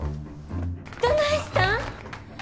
どないしたん？